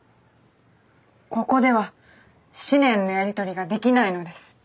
ここでは思念のやり取りができないのです。